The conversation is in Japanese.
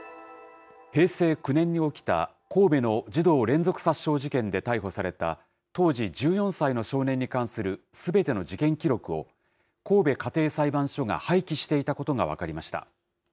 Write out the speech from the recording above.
平成９年に起きた神戸の児童連続殺傷事件で逮捕された当時１４歳の少年に関するすべての事件記録を、神戸家庭裁判所が廃棄していたことが分かりました。